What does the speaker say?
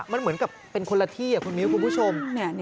มันเหมือนกับเป็นคนละที่คุณมิ้วคุณผู้ชม